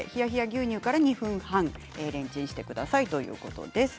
そこから２分半レンチンしてくださいということです。